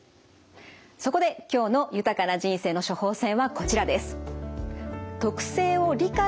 そこで今日の豊かな人生の処方せんはこちらです。